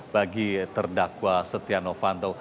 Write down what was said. bagi terdakwa setia novanto